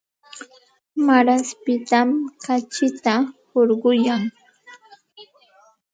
Maaraspitam kachita hurquyan.